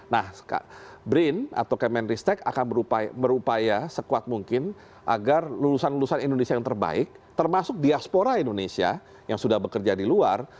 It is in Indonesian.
nah brin atau kemenristek akan berupaya sekuat mungkin agar lulusan lulusan indonesia yang terbaik termasuk diaspora indonesia yang sudah bekerja di luar